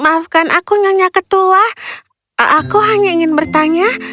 maafkan aku nyonya ketua aku hanya ingin bertanya maafkan aku nyonya ketua aku hanya ingin bertanya